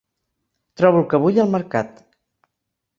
Trobo el que vull al mercat.